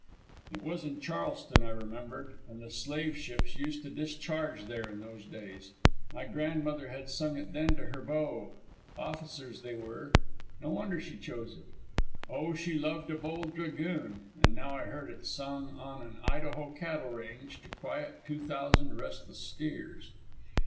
It was in Charleston, I remembered, and the slave ships used to discharge there in those days. My grandmother had sung it then to her beaux; officers they were; no wonder she chose it "Oh, she loved a bold dragoon" and now I heard it sung on an Idaho cattle range to quiet two thousand restless steers.